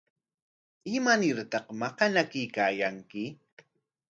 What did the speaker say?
¿Imanartaq maqanakuykaayanki?